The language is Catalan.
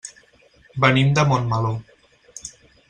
Venim de Montmeló.